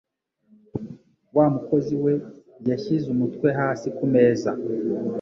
Wa mukozi we yashyize umutwe hasi kumeza.